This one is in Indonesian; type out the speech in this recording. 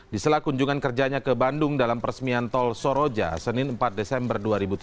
di selak kunjungan kerjanya ke bandung dalam peresmian tol soroja senin empat desember dua ribu tujuh belas